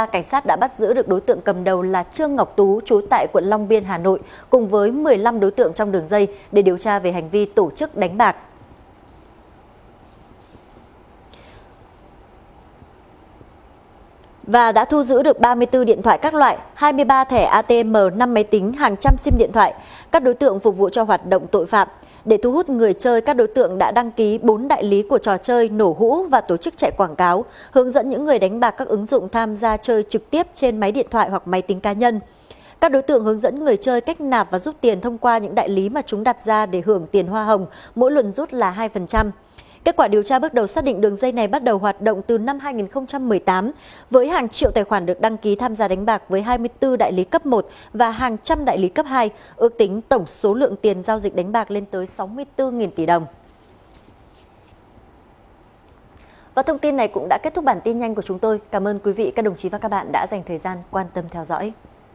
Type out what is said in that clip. cảm ơn quý vị và các bạn đã dành thời gian quan tâm theo dõi